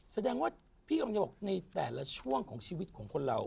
แสดงว่าพี่กำลังจะบอกในแต่ละช่วงของชีวิตของคนเรา